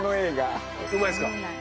うまいっすか？